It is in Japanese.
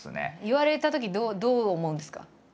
言われたときどう思うんですか？